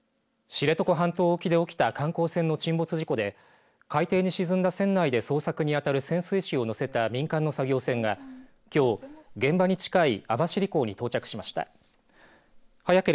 知床半島沖で起きた観光船の沈没事故で海底に沈んだ船内で捜索にあたる潜水士を乗せた民間の作業船がきょう、現場に近い網走港に到着しました。